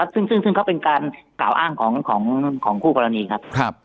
ซึ่งเขาเป็นการกล่าวอ้างของคู่กรณีครับ